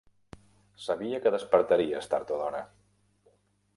Sabia que despertaries tard o d'hora!